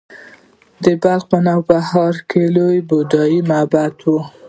د بلخ نوبهار لوی بودايي معبد و